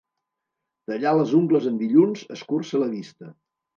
Tallar les ungles en dilluns, escurça la vista.